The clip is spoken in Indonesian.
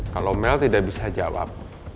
kalau mel tidak bisa jawab